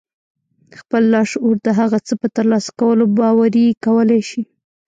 خپل لاشعور د هغه څه په ترلاسه کولو باوري کولای شئ.